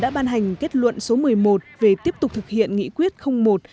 đã ban hành kết luận số một mươi một về tiếp tục thực hiện nghị quyết một